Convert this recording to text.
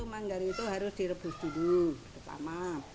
manggar itu harus direbus dulu pertama